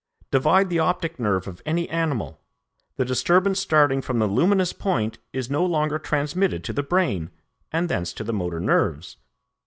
Divide the optic nerve of any animal; the disturbance starting from the luminous point is no longer transmitted to the brain, and thence to the motor nerves.